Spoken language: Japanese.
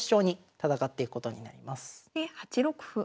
で８六歩。